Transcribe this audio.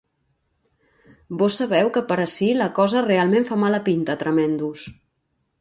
Vós sabeu que per ací la cosa realment fa mala pinta, Tremendus.